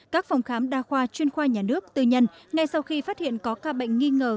các phòng khám đa khoa chuyên khoa nhà nước tư nhân ngay sau khi phát hiện có ca bệnh nghi ngờ